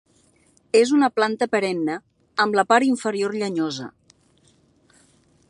És una planta perenne, amb la part inferior llenyosa.